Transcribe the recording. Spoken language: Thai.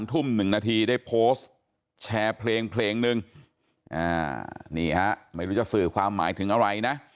ทุ่ม๑นาทีได้โพสต์แชร์เพลงเพลงนึงนี่ฮะไม่รู้จะสื่อความหมายถึงอะไรนะ